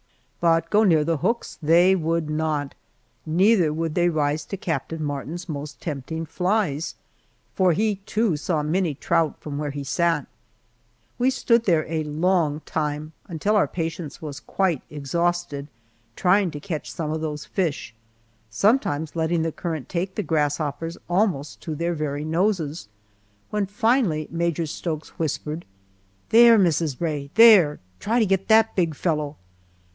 But go near the hooks they would not, neither would they rise to Captain Martin's most tempting flies for he, too, saw many trout, from where he sat. We stood there a long time, until our patience was quite exhausted, trying to catch some of those fish, sometimes letting the current take the grasshoppers almost to their very noses, when finally Major Stokes whispered, "There, Mrs. Rae there, try to get that big fellow!"